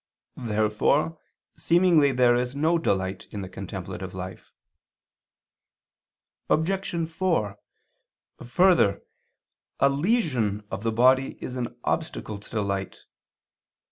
Therefore seemingly there is no delight in the contemplative life. Obj. 4: Further, a lesion of the body is an obstacle to delight.